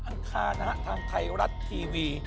อังคาระทางไทยรัตน์ทีวี